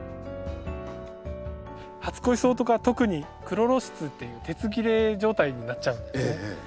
初恋草とか特にクロロシスっていう鉄切れ状態になっちゃうんですね。